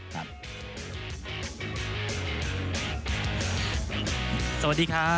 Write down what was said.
สวัสดีครับ